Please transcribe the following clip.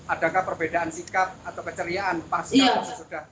adakah perbedaan sikap atau keceriaan pas itu